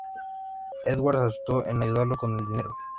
Edwards, aceptó en ayudarlo con el dinero.